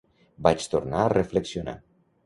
Vaig tornar a reflexionar.